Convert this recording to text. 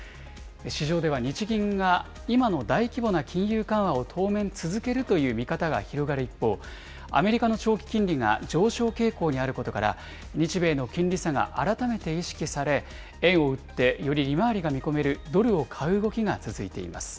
市場では、日銀が今の大規模な金融緩和を当面続けるという見方が広がる一方、アメリカの長期金利が上昇傾向にあることから、日米の金利差が改めて意識され、円を売ってより利回りが見込めるドルを買う動きが続いています。